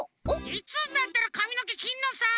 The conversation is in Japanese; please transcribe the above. いつになったらかみのけきるのさ！